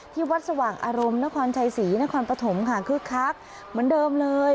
ที่วัดสว่างอารมณ์นครชัยศรีนครปฐมค่ะคึกคักเหมือนเดิมเลย